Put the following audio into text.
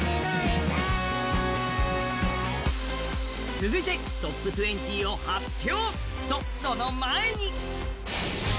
続いてトップ２０を発表。